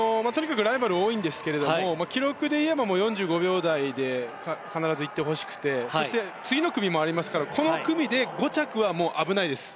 ライバルが多いんですけど記録でいえば４５秒台で必ず行ってほしくて次の組もありますからこの組で５着は危ないです。